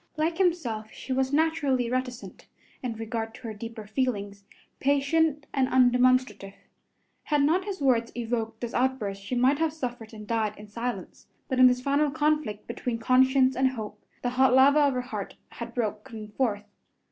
Like himself she was naturally reticent in regard to her deeper feelings, patient and undemonstrative. Had not his words evoked this outburst she might have suffered and died in silence, but in this final conflict between conscience and hope, the hot lava of her heart had broken forth.